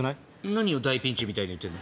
何大ピンチみたいに言ってんの？